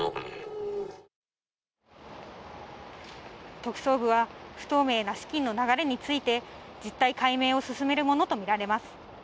特捜部は不透明な資金の流れについて実態解明を進めるものとみられます。